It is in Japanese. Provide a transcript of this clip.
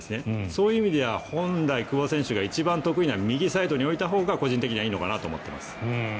そういう意味では久保選手が得意な右サイドに置いたほうが個人的にはいいのかなと思っています。